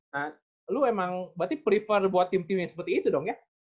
nah lo emang berarti prefer buat tim tim yang seperti itu dong ya